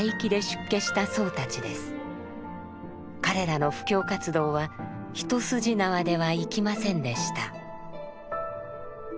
彼らの布教活動は一筋縄ではいきませんでした。